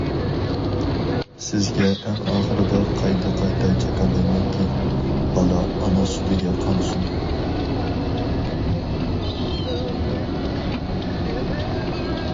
سىزگە ئەڭ ئاخىرىدا قايتا-قايتا جاكارلايمەنكى، بالا ئانا سۈتىگە قانسۇن.